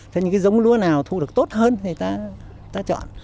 thế nhưng cái dống lúa nào thu được tốt hơn thì ta chọn